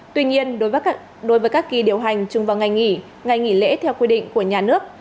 tuy nhiên đối với các kỳ điều hành chung vào ngày nghỉ ngày nghỉ lễ theo quy định của nhà nước